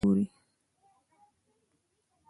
د احمد ګاډی چې ورک وو؛ دا دی د علي په سترګو کې ښوري.